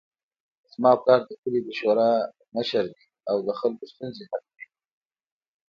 زما پلار د کلي د شورا مشر ده او د خلکو ستونزې حل کوي